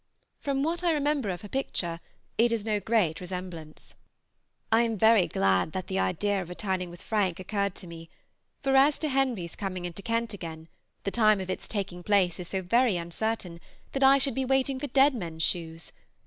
From what I remember of her picture, it is no great resemblance. I am very glad that the idea of returning with Frank occurred to me; for as to Henry's coming into Kent again, the time of its taking place is so very uncertain that I should be waiting for dead men's shoes.